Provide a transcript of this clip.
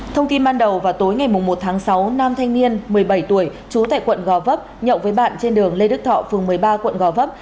thông tin ban đầu vào tối ngày một tháng sáu nam thanh niên một mươi bảy tuổi trú tại quận gò vấp nhậu với bạn trên đường lê đức thọ phường một mươi ba quận gò vấp